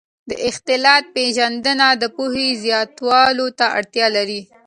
د اختلال پېژندنه د پوهې زیاتولو ته اړتیا لري.